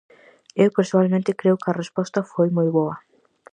Eu persoalmente creo que a resposta foi moi boa.